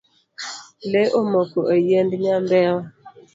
Lee omoko e yiend nyambewa.